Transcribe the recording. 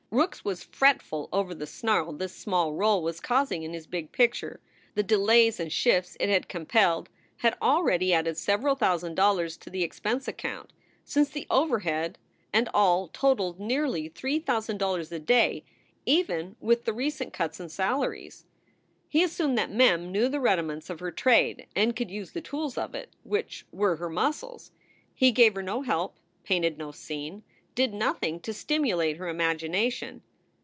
Rookes was fretful over the snarl this small role was causing in his big picture. The delays and shifts it had compelled had already added several thousand dollars to the expense account, since the overhead and all totaled nearly three thousand dollars a day even with the recent cuts in salaries. He assumed that Mem knew the rudiments of her trade and could use the tools of it, which were her muscles. He gave her no help, painted no scene, did nothing to stimulate her imagination.